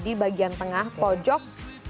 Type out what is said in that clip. di bagian tengah pojok